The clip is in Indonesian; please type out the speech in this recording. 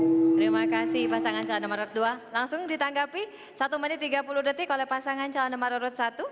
terima kasih pasangan calon nomor dua langsung ditanggapi satu menit tiga puluh detik oleh pasangan calon nomor satu